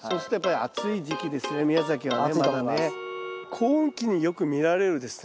高温期によく見られるですね